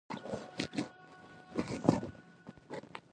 ګلداد ورته وویل: پاچا صاحب ډېر طالع من یې.